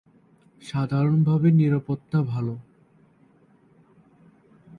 সাধারণভাবে নিরাপত্তা ভাল।